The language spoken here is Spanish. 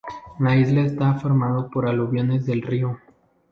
La isla está formado por aluviones del río.